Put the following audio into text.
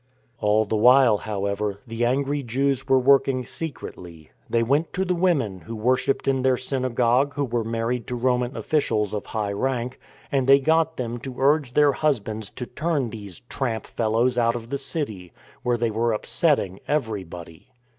All the while, however, the angry Jews were work ing secretly. They went to the women who worshipped in their synagogue who were married to Roman offi cials of high rank; and they got them to urge their hus bands to turn these " tramp fellows " out of the city, where they were upsetting everybody.